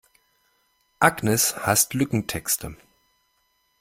Agnes hasst Lückentexte.